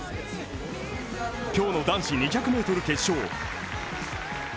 今日の男子２００ｍ決勝